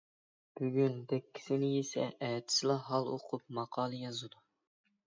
بۈگۈن دەككىسىنى يىسە، ئەتىسىلا ھال ئوقۇپ ماقالە يازىدۇ.